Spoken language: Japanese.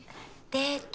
デート。